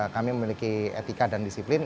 kami memiliki etika dan disiplin